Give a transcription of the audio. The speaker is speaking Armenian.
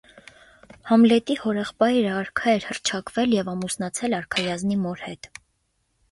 Համլետի հորեղբայրը արքա էր հռչակվել և ամուսնացել արքայազնի մոր հետ։